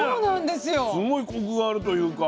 すごいコクがあるというか。